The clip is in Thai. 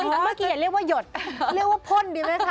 เมื่อกี้อย่าเรียกว่าหยดเรียกว่าพ่นดีไหมคะ